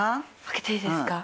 開けていいですか？